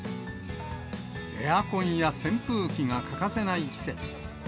エアコンや扇風機が欠かせない季節。